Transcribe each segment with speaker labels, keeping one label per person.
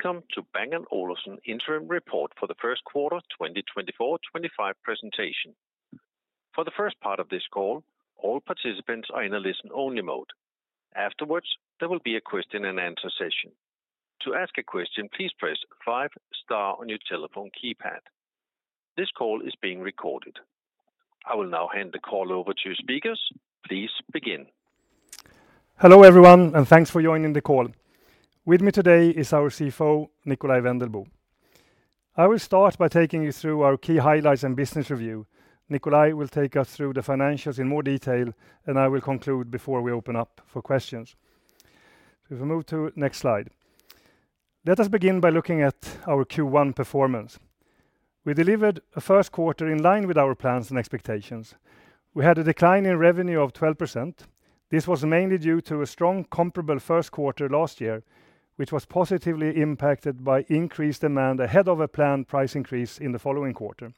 Speaker 1: Welcome to Bang & Olufsen Interim Report for the first quarter, 2024, 2025 presentation. For the first part of this call, all participants are in a listen-only mode. Afterwards, there will be a question and answer session. To ask a question, please press five star on your telephone keypad. This call is being recorded. I will now hand the call over to speakers. Please begin.
Speaker 2: Hello, everyone, and thanks for joining the call. With me today is our CFO, Nikolaj Wendelboe. I will start by taking you through our key highlights and business review. Nikolaj will take us through the financials in more detail, and I will conclude before we open up for questions. If we move to next slide. Let us begin by looking at our Q1 performance. We delivered a first quarter in line with our plans and expectations. We had a decline in revenue of 12%. This was mainly due to a strong, comparable first quarter last year, which was positively impacted by increased demand ahead of a planned price increase in the following quarter.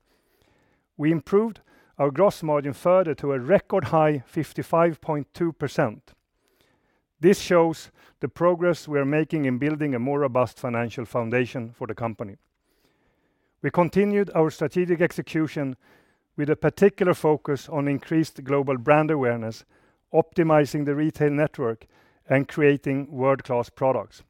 Speaker 2: We improved our gross margin further to a record high, 55.2%. This shows the progress we are making in building a more robust financial foundation for the company. We continued our strategic execution with a particular focus on increased global brand awareness, optimizing the retail network, and creating world-class products.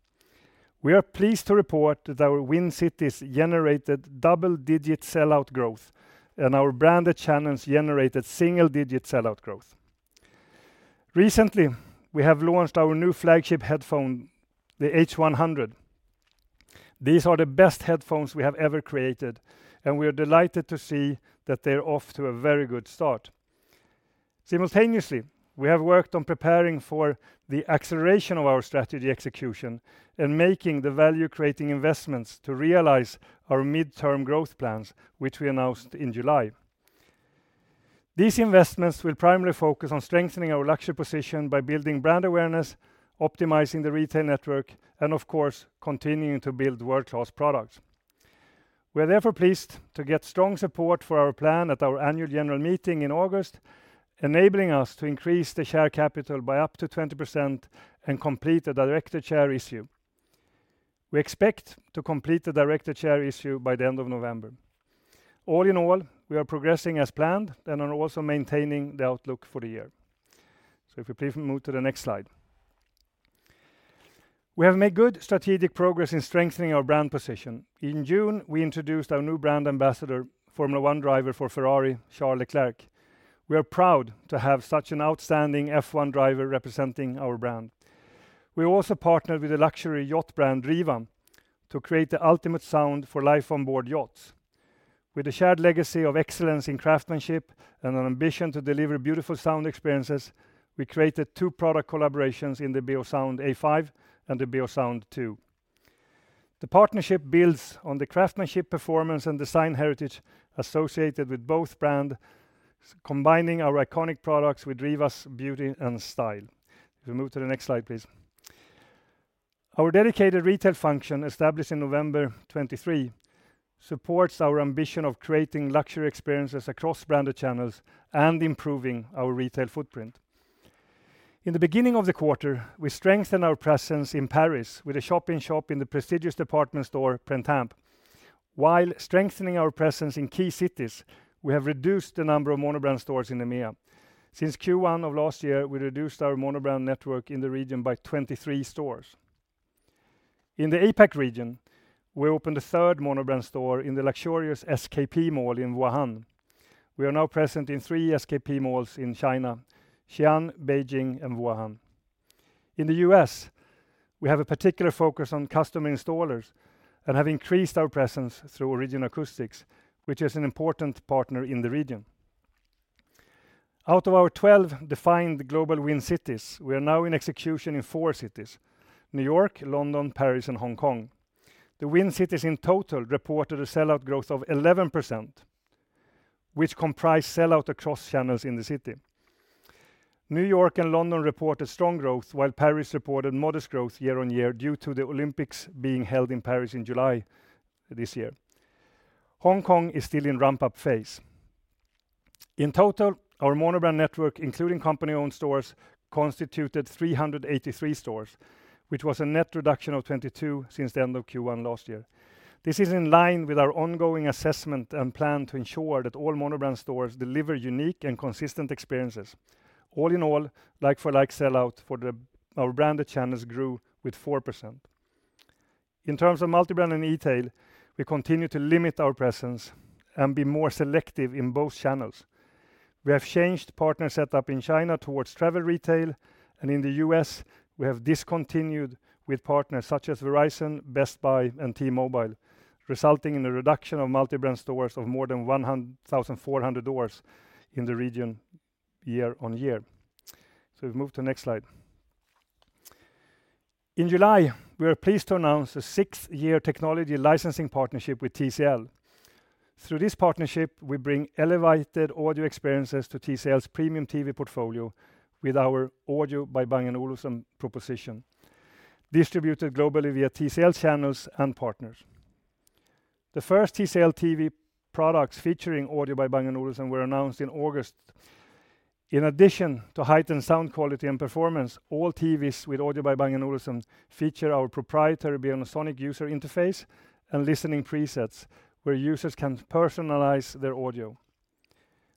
Speaker 2: We are pleased to report that our Win Cities generated double-digit sell-out growth, and our branded channels generated single-digit sell-out growth. Recently, we have launched our new flagship headphone, the H100. These are the best headphones we have ever created, and we are delighted to see that they're off to a very good start. Simultaneously, we have worked on preparing for the acceleration of our strategy execution and making the value-creating investments to realize our midterm growth plans, which we announced in July. These investments will primarily focus on strengthening our luxury position by building brand awareness, optimizing the retail network, and of course, continuing to build world-class products. We are therefore pleased to get strong support for our plan at our annual general meeting in August, enabling us to increase the share capital by up to 20% and complete a directed share issue. We expect to complete the directed share issue by the end of November. All in all, we are progressing as planned and are also maintaining the outlook for the year. So, if we please, move to the next slide. We have made good strategic progress in strengthening our brand position. In June, we introduced our new brand ambassador, Formula One driver for Ferrari, Charles Leclerc. We are proud to have such an outstanding F1 driver representing our brand. We also partnered with the luxury yacht brand, Riva, to create the ultimate sound for life on board yachts. With a shared legacy of excellence in craftsmanship and an ambition to deliver beautiful sound experiences, we created two product collaborations in the Beosound A5 and the Beosound 2. The partnership builds on the craftsmanship, performance, and design heritage associated with both brand, combining our iconic products with Riva's beauty and style. If we move to the next slide, please. Our dedicated retail function, established in November 2023, supports our ambition of creating luxury experiences across branded channels and improving our retail footprint. In the beginning of the quarter, we strengthened our presence in Paris with a shop in shop in the prestigious department store, Printemps. While strengthening our presence in key cities, we have reduced the number of monobrand stores in EMEA. Since Q1 of last year, we reduced our monobrand network in the region by 23 stores. In the APAC region, we opened a third monobrand store in the luxurious SKP mall in Wuhan. We are now present in 3 SKP malls in China, Xi'an, Beijing, and Wuhan. In the U.S., we have a particular focus on custom installers and have increased our presence through Origin Acoustics, which is an important partner in the region. Out of our 12 defined global Win Cities, we are now in execution in 4 cities: New York, London, Paris, and Hong Kong. The Win Cities in total, reported a sell-out growth of 11%, which comprised sell-out across channels in the city. New York and London reported strong growth, while Paris reported modest growth year on year, due to the Olympics being held in Paris in July this year. Hong Kong is still in ramp-up phase. In total, our monobrand network, including company-owned stores, constituted 383 stores, which was a net reduction of 22 since the end of Q1 last year. This is in line with our ongoing assessment and plan to ensure that all monobrand stores deliver unique and consistent experiences. All in all, like-for-like sell-out for our branded channels grew with 4%. In terms of multi-brand and e-tail, we continue to limit our presence and be more selective in both channels. We have changed partner setup in China towards travel retail, and in the U.S., we have discontinued with partners such as Verizon, Best Buy, and T-Mobile, resulting in a reduction of multi-brand stores of more than 1,400 doors in the region year on year. So we've moved to the next slide. In July, we were pleased to announce a sixth-year technology licensing partnership with TCL. Through this partnership, we bring elevated audio experiences to TCL's premium TV portfolio with our Audio by Bang & Olufsen proposition, distributed globally via TCL channels and partners. The first TCL TV products featuring Audio by Bang & Olufsen were announced in August. In addition to heightened sound quality and performance, all TVs with Audio by Bang & Olufsen feature our proprietary Beosonic user interface and listening presets, where users can personalize their audio.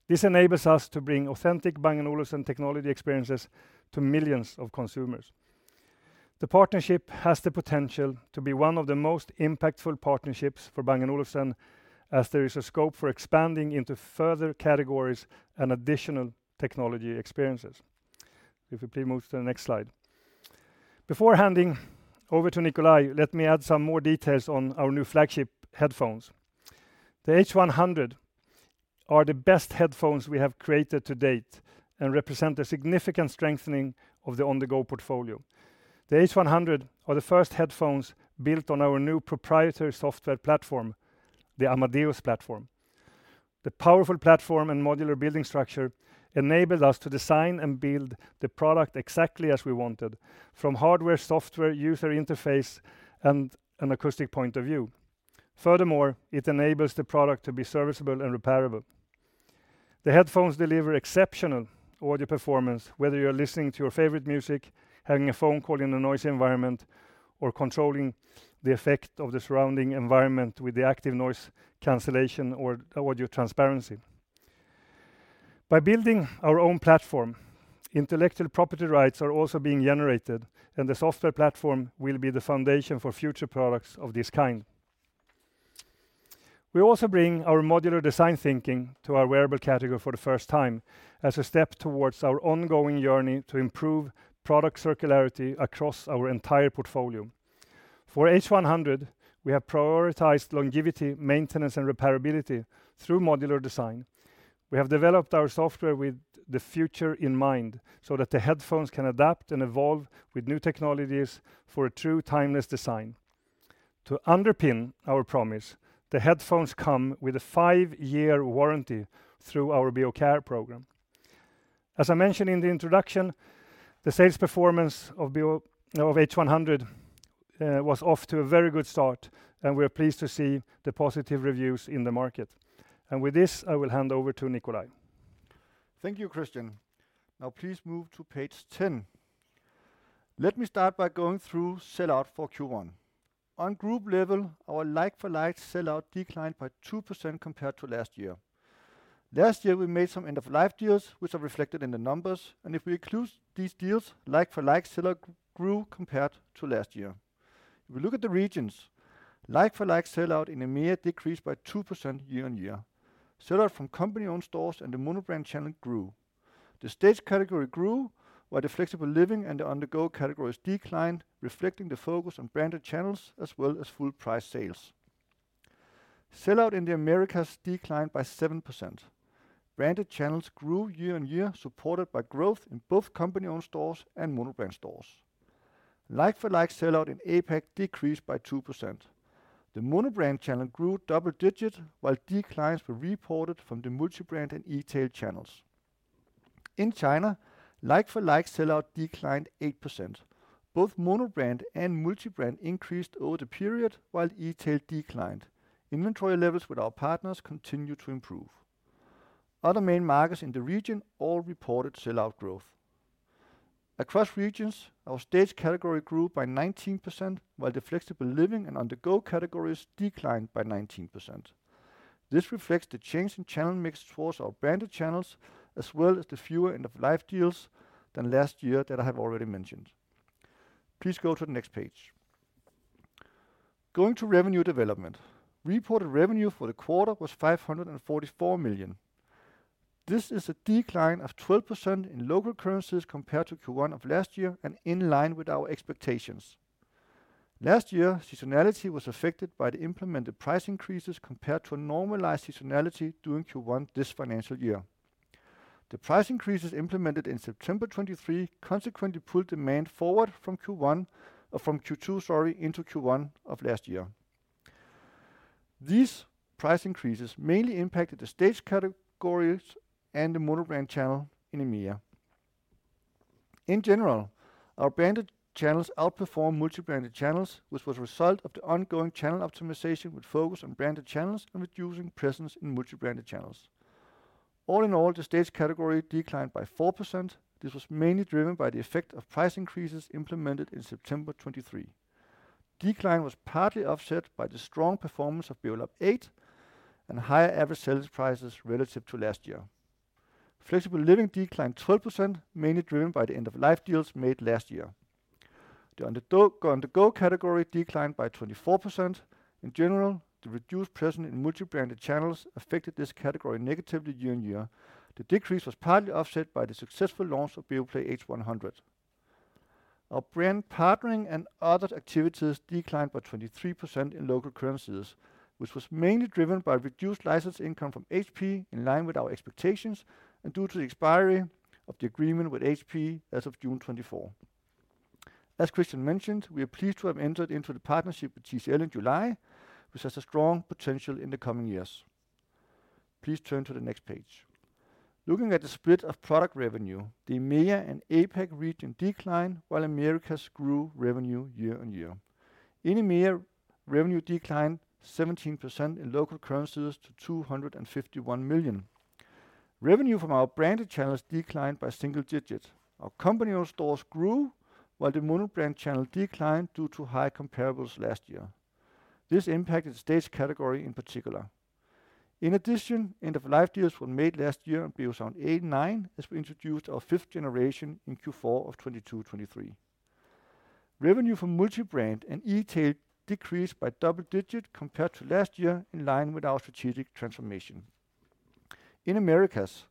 Speaker 2: This enables us to bring authentic Bang & Olufsen technology experiences to millions of consumers. The partnership has the potential to be one of the most impactful partnerships for Bang & Olufsen, as there is a scope for expanding into further categories and additional technology experiences. If you please move to the next slide. Before handing over to Nikolaj, let me add some more details on our new flagship headphones. The H100 are the best headphones we have created to date and represent a significant strengthening of the On-The-Go portfolio. The H100 are the first headphones built on our new proprietary software platform, the Amadeus platform. The powerful platform and modular building structure enabled us to design and build the product exactly as we wanted, from hardware, software, user interface, and an acoustic point of view. Furthermore, it enables the product to be serviceable and repairable. The headphones deliver exceptional audio performance, whether you are listening to your favorite music, having a phone call in a noisy environment, or controlling the effect of the surrounding environment with the Active Noise Cancellation or Audio Transparency. By building our own platform, intellectual property rights are also being generated, and the software platform will be the foundation for future products of this kind. We also bring our modular design thinking to our wearable category for the first time, as a step towards our ongoing journey to improve product circularity across our entire portfolio. For H100, we have prioritized longevity, maintenance, and repairability through modular design. We have developed our software with the future in mind, so that the headphones can adapt and evolve with new technologies for a true timeless design. To underpin our promise, the headphones come with a five-year warranty through our Beocare program. As I mentioned in the introduction, the sales performance of H100 was off to a very good start, and we are pleased to see the positive reviews in the market. And with this, I will hand over to Nikolaj.
Speaker 3: Thank you, Kristian. Now, please move to page 10. Let me start by going through sell-out for Q1. On group level, our like-for-like sell-out declined by 2% compared to last year. Last year, we made some end-of-life deals, which are reflected in the numbers, and if we include these deals, like-for-like sell-out grew compared to last year. If we look at the regions, like-for-like sell-out in EMEA decreased by 2% year-on-year. Sell-out from company-owned stores and the monobrand channel grew. The Stage category grew, while the Flexible Living and the On-The-Go categories declined, reflecting the focus on branded channels as well as full price sales. Sell-out in the Americas declined by 7%. Branded channels grew year on year, supported by growth in both company-owned stores and monobrand stores. Like-for-like sell-out in APAC decreased by 2%. The Monobrand channel grew double digits, while declines were reported from the multi-brand and e-tail channels. In China, like-for-like sell-out declined 8%. Both monobrand and multi-brand increased over the period, while e-tail declined. Inventory levels with our partners continue to improve. Other main markets in the region all reported sell-out growth. Across regions, our Stage category grew by 19%, while the Flexible Living and On-The-Go categories declined by 19%. This reflects the change in channel mix towards our branded channels, as well as the fewer end-of-life deals than last year that I have already mentioned. Please go to the next page. Going to revenue development. Reported revenue for the quarter was 544 million. This is a decline of 12% in local currencies compared to Q1 of last year and in line with our expectations. Last year, seasonality was affected by the implemented price increases compared to a normalized seasonality during Q1 this financial year. The price increases implemented in September 2023 consequently pulled demand forward from Q1, or from Q2, sorry, into Q1 of last year. These price increases mainly impacted the Stage categories and the monobrand channel in EMEA. In general, our branded channels outperform multi-branded channels, which was a result of the ongoing channel optimization with focus on branded channels and reducing presence in multi-branded channels. All in all, the Stage category declined by 4%. This was mainly driven by the effect of price increases implemented in September 2023. Decline was partly offset by the strong performance of Beolab 8 and higher average sales prices relative to last year. Flexible Living declined 12%, mainly driven by the end-of-life deals made last year. The On-The-Go category declined by 24%. In general, the reduced presence in multi-branded channels affected this category negatively year on year. The decrease was partly offset by the successful launch of Beoplay H100. Our brand partnering and other activities declined by 23% in local currencies, which was mainly driven by reduced license income from HP, in line with our expectations and due to the expiry of the agreement with HP as of June 2024. As Kristian mentioned, we are pleased to have entered into the partnership with TCL in July, which has a strong potential in the coming years. Please turn to the next page. Looking at the split of product revenue, the EMEA and APAC region declined, while Americas grew revenue year on year. In EMEA, revenue declined 17% in local currencies to 251 million. Revenue from our branded channels declined by single digits. Our company-owned stores grew, while the monobrand channel declined due to high comparables last year. This impacted the Stage category in particular. In addition, end-of-life deals were made last year on Beosound A9, as we introduced our fifth generation in Q4 of twenty-two, twenty-three. Revenue from multi-brand and e-tail decreased by double digit compared to last year, in line with our strategic transformation. In Americas,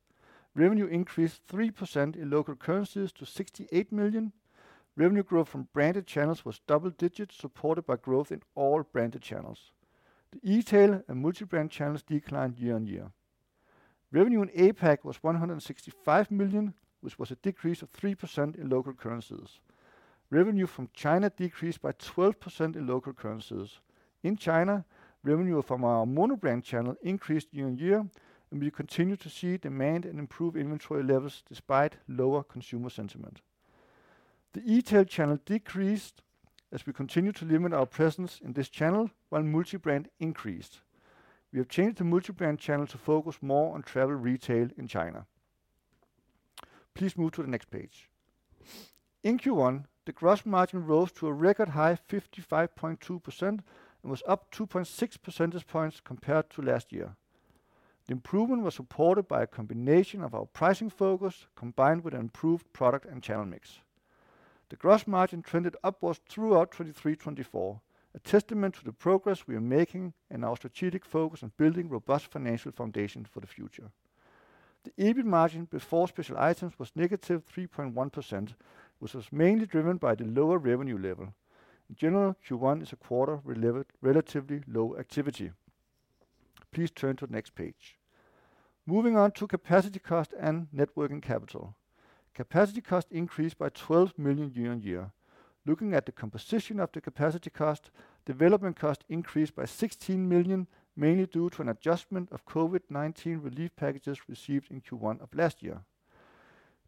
Speaker 3: revenue increased 3% in local currencies to 68 million. Revenue growth from branded channels was double digits, supported by growth in all branded channels. The e-tail and multi-brand channels declined year on year. Revenue in APAC was 165 million, which was a decrease of 3% in local currencies. Revenue from China decreased by 12% in local currencies. In China, revenue from our monobrand channel increased year on year, and we continue to see demand and improve inventory levels despite lower consumer sentiment. The e-tail channel decreased as we continue to limit our presence in this channel, while multi-brand increased. We have changed the multi-brand channel to focus more on travel retail in China. Please move to the next page. In Q1, the gross margin rose to a record high 55.2% and was up 2.6 percentage points compared to last year. The improvement was supported by a combination of our pricing focus, combined with an improved product and channel mix. The gross margin trended upwards throughout 2023, 2024, a testament to the progress we are making and our strategic focus on building a robust financial foundation for the future. The EBIT margin before special items was negative 3.1%, which was mainly driven by the lower revenue level. In general, Q1 is a quarter with relatively low activity. Please turn to the next page. Moving on to capacity cost and net working capital. Capacity cost increased by 12 million year on year. Looking at the composition of the capacity cost, development cost increased by 16 million, mainly due to an adjustment of COVID-19 relief packages received in Q1 of last year.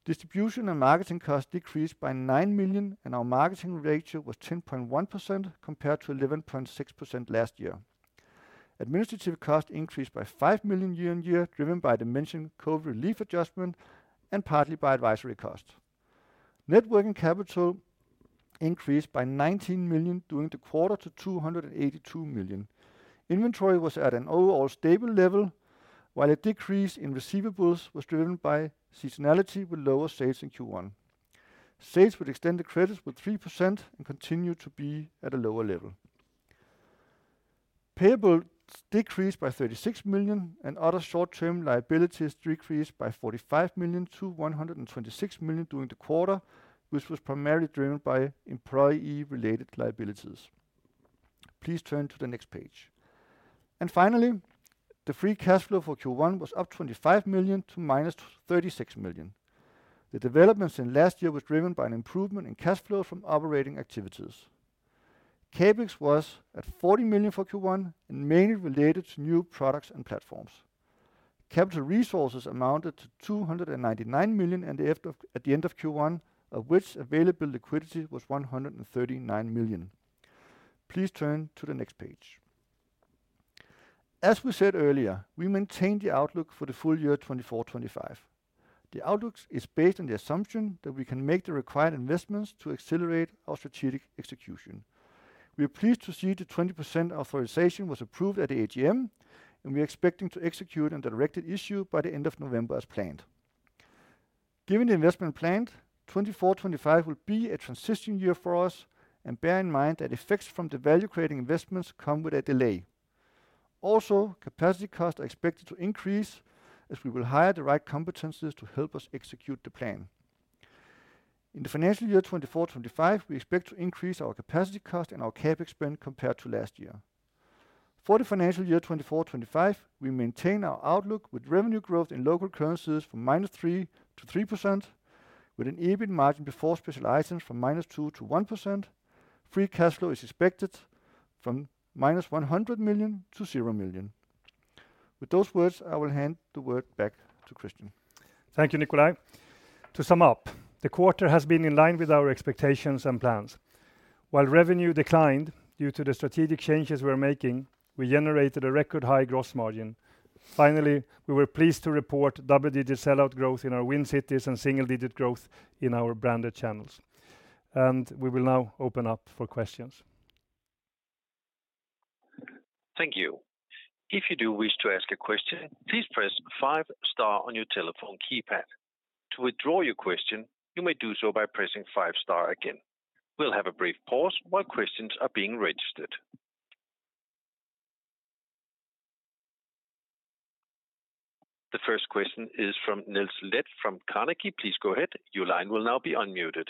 Speaker 3: Distribution and marketing costs decreased by 9 million, and our marketing ratio was 10.1%, compared to 11.6% last year. Administrative costs increased by 5 million year on year, driven by the mentioned COVID relief adjustment and partly by advisory costs. Net working capital increased by 19 million during the quarter to 282 million. Inventory was at an overall stable level, while a decrease in receivables was driven by seasonality, with lower sales in Q1. Sales with extended credits were 3% and continued to be at a lower level. Payables decreased by 36 million, and other short-term liabilities decreased by 45 million to 126 million during the quarter, which was primarily driven by employee-related liabilities. Please turn to the next page. Finally, the free cash flow for Q1 was up 25 million-36 million. The developments in last year was driven by an improvement in cash flow from operating activities. CapEx was at 40 million for Q1 and mainly related to new products and platforms. Capital resources amounted to 299 million at the end of Q1, of which available liquidity was 139 million. Please turn to the next page. As we said earlier, we maintained the outlook for the full year 2024-2025. The outlook is based on the assumption that we can make the required investments to accelerate our strategic execution. We are pleased to see the 20% authorization was approved at the AGM, and we are expecting to execute on the directed issue by the end of November as planned. Given the investment plan, 2024-2025 will be a transition year for us, and bear in mind that effects from the value-creating investments come with a delay. Also, capacity costs are expected to increase as we will hire the right competencies to help us execute the plan. In the financial year 2024-2025, we expect to increase our capacity cost and our CapEx spend compared to last year. For the financial year twenty-four, twenty-five, we maintain our outlook with revenue growth in local currencies from -3% to 3%, with an EBIT margin before special items from -2% to 1%. Free cash flow is expected from -100 million to 0 million. With those words, I will hand the word back to Kristian.
Speaker 2: Thank you, Nikolaj. To sum up, the quarter has been in line with our expectations and plans. While revenue declined due to the strategic changes we're making, we generated a record high gross margin. Finally, we were pleased to report double-digit sell-out growth in our Win Cities and single-digit growth in our branded channels. We will now open up for questions.
Speaker 1: Thank you. If you do wish to ask a question, please press five star on your telephone keypad. To withdraw your question, you may do so by pressing five star again. We'll have a brief pause while questions are being registered. The first question is from Niels Granholm-Leth from Carnegie. Please go ahead. Your line will now be unmuted.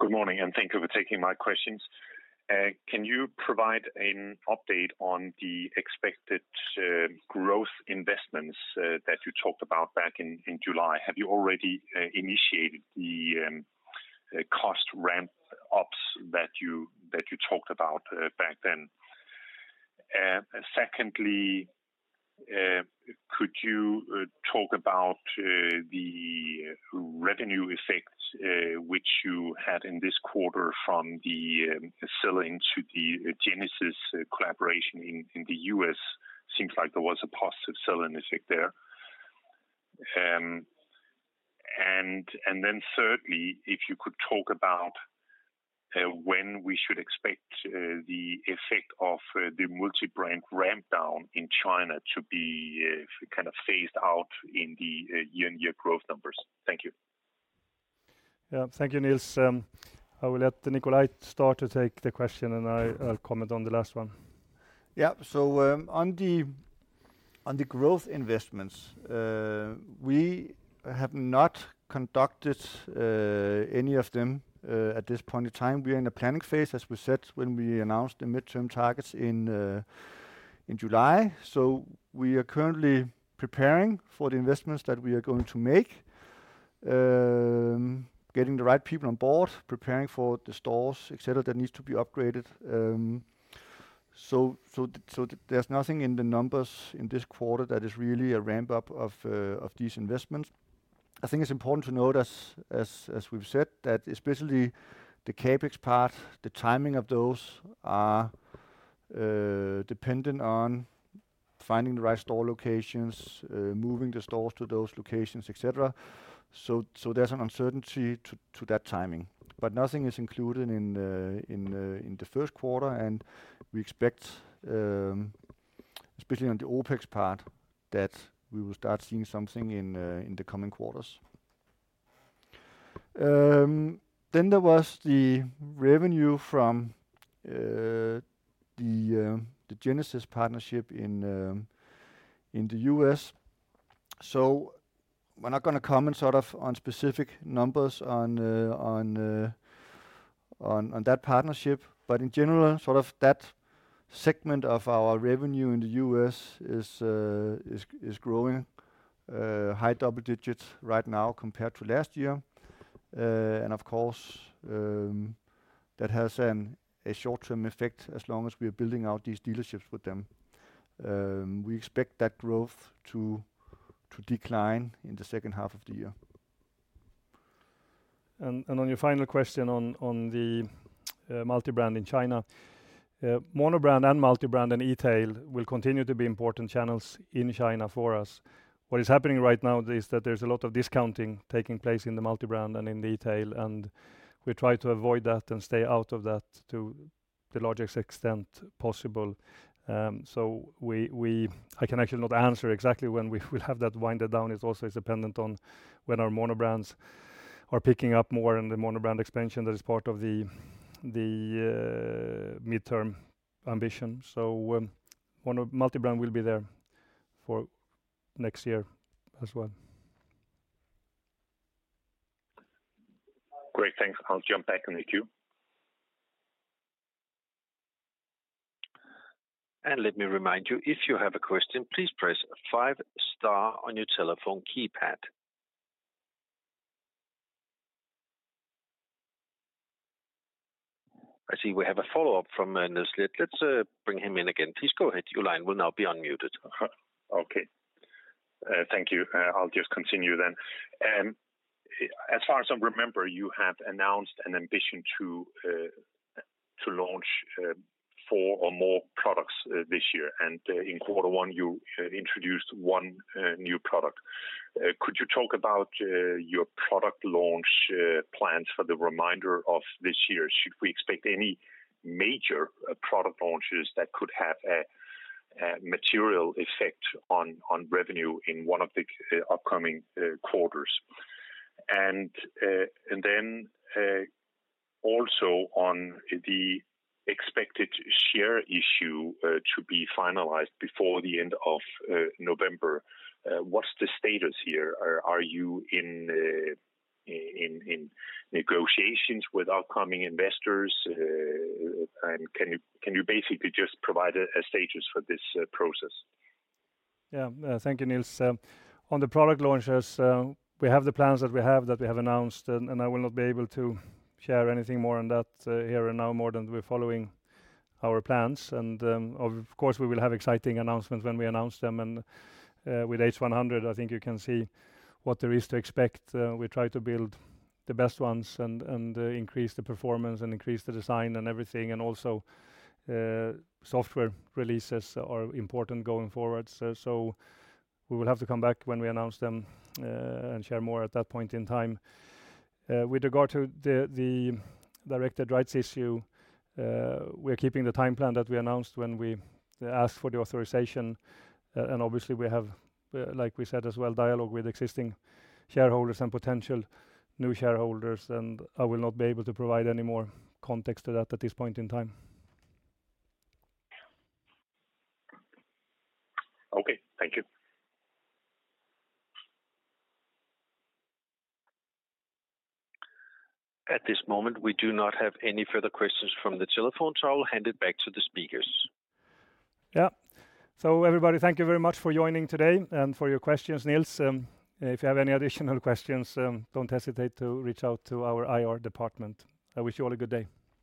Speaker 4: Good morning, and thank you for taking my questions. Can you provide an update on the expected growth investments that you talked about back in July? Have you already initiated the cost ramp ups that you talked about back then? Secondly, could you talk about the revenue effects which you had in this quarter from the selling to the Genesis collaboration in the US? Seems like there was a positive selling effect there. And then thirdly, if you could talk about when we should expect the effect of the multi-brand ramp down in China to be kind of phased out in the year-and-year growth numbers? Thank you.
Speaker 2: Yeah. Thank you, Niels. I will let Nikolaj start to take the question, and I'll comment on the last one.
Speaker 3: Yeah. So, on the growth investments, we have not conducted any of them at this point in time. We are in the planning phase, as we said, when we announced the midterm targets in July. So we are currently preparing for the investments that we are going to make. Getting the right people on board, preparing for the stores, et cetera, that needs to be upgraded. So there's nothing in the numbers in this quarter that is really a ramp-up of these investments. I think it's important to note, as we've said, that especially the CapEx part, the timing of those are dependent on finding the right store locations, moving the stores to those locations, et cetera. So there's an uncertainty to that timing. But nothing is included in the first quarter, and we expect especially on the OpEx part that we will start seeing something in the coming quarters. Then there was the revenue from the Genesis partnership in the U.S. So we're not gonna comment sort of on specific numbers on that partnership. But in general, sort of, that segment of our revenue in the U.S. is growing high double digits right now compared to last year. And of course, that has a short-term effect as long as we are building out these dealerships with them. We expect that growth to decline in the second half of the year. On your final question on the multi-brand in China, monobrand and multi-brand, and e-tail will continue to be important channels in China for us. What is happening right now is that there's a lot of discounting taking place in the multi-brand and in e-tail, and we try to avoid that and stay out of that to the largest extent possible. So I can actually not answer exactly when we will have that wound down. It's also dependent on when our monobrand stores are picking up more in the monobrand expansion that is part of the midterm ambition. So monobrand, multi-brand will be there for next year as well.
Speaker 4: Great, thanks. I'll jump back in the queue.
Speaker 1: And let me remind you, if you have a question, please press five star on your telephone keypad. I see we have a follow-up from Niels. Let's bring him in again. Please go ahead. Your line will now be unmuted.
Speaker 4: Okay. Thank you. I'll just continue then. As far as I remember, you have announced an ambition to launch four or more products this year, and in quarter one, you introduced one new product. Could you talk about your product launch plans for the remainder of this year? Should we expect any major product launches that could have a material effect on revenue in one of the upcoming quarters? And then also on the expected share issue to be finalized before the end of November, what's the status here? Are you in negotiations with upcoming investors? And can you basically just provide a status for this process?
Speaker 2: Yeah. Thank you, Niels. On the product launches, we have the plans that we have announced, and I will not be able to share anything more on that here and now, more than we're following our plans. And, of course, we will have exciting announcements when we announce them. And, with H100, I think you can see what there is to expect. We try to build the best ones and increase the performance, and increase the design, and everything, and also software releases are important going forward. So we will have to come back when we announce them and share more at that point in time. With regard to the directed share issue, we're keeping the timeline that we announced when we asked for the authorization. Obviously, we have, like we said as well, dialogue with existing shareholders and potential new shareholders, and I will not be able to provide any more context to that at this point in time.
Speaker 4: Okay, thank you.
Speaker 1: At this moment, we do not have any further questions from the telephone, so I will hand it back to the speakers.
Speaker 2: Yeah, so everybody, thank you very much for joining today and for your questions. Niels, if you have any additional questions, don't hesitate to reach out to our IR department. I wish you all a good day.